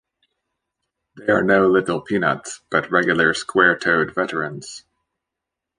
They are no little peanuts but regular square-toed veterans.